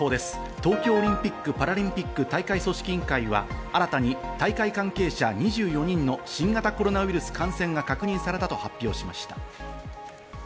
東京オリンピック・パラリンピック大会組織委員会は新たに大会関係者２４人の新型コロナウイルス感染が確認されたと発表しました。